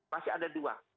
masih ada dua